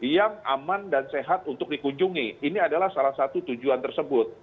yang aman dan sehat untuk dikunjungi ini adalah salah satu tujuan tersebut